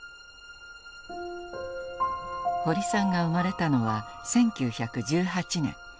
堀さんが生まれたのは１９１８年。